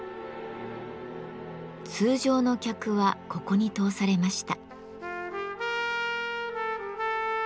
通常の客はここに通されました。